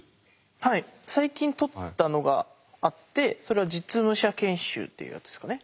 はい最近取ったのがあってそれは実務者研修っていうやつですかね。